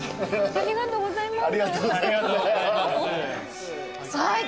ありがとうございます。